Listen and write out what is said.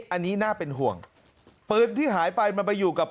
อันนี้น่าเป็นห่วงปืนที่หายไปมันไปอยู่กับ